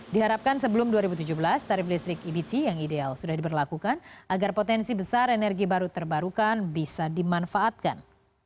diharapkan sebelum dua ribu tujuh belas tarif listrik ebt yang ideal sudah diberlakukan agar potensi besar energi baru terbarukan bisa dimanfaatkan